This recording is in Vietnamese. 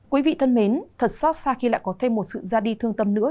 quý vị thân mến thật xót xa khi lại có thêm một sự ra đi thương tâm nữa